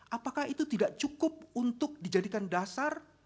apakah itu tidak cukup untuk dijadikan dasar